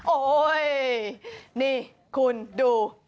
โอ้โฮนี่คุณดู